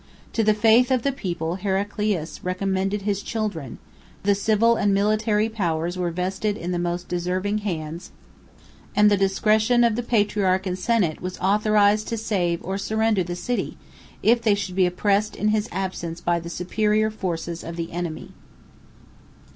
To the faith of the people Heraclius recommended his children; the civil and military powers were vested in the most deserving hands, and the discretion of the patriarch and senate was authorized to save or surrender the city, if they should be oppressed in his absence by the superior forces of the enemy.